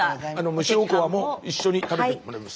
蒸しおこわも一緒に食べてもらいます。